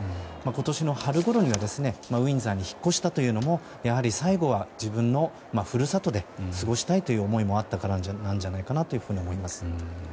今年の春ごろにウィンザーに引っ越したというのはやはり、最後は自分の故郷で過ごしたいという思いもあったからなんじゃないかと思います。